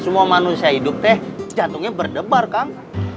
semua manusia hidup teh jantungnya berdebar kang